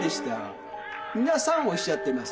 皆さんおっしゃってます。